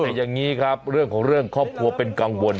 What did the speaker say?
แต่อย่างนี้ครับเรื่องของเรื่องครอบครัวเป็นกังวล